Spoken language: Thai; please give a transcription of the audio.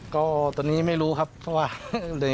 ก็ตอนนี้ไม่รู้ครับเพราะว่า